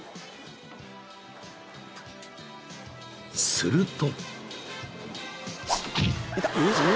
［すると］